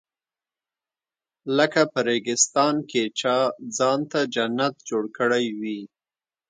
لکه په ریګستان کې چا ځان ته جنت جوړ کړی وي.